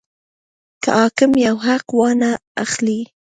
که حاکم یو حق وانه خلي.